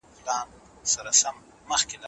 ټولنپوهنه د ښار او کلیو ژوند پرتله کوي.